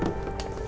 setia pak bos